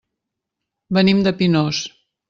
Venim de Pinós.